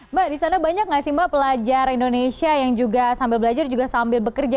mbak di sana banyak nggak sih mbak pelajar indonesia yang juga sambil belajar juga sambil bekerja